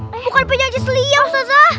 bukan penyajis liang ustazah